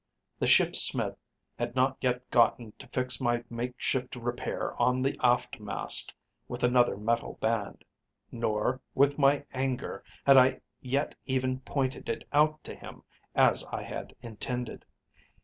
The ship's smith had not yet gotten to fix my makeshift repair on the aft mast with another metal band. Nor, with my anger, had I yet even pointed it out to him as I had intended.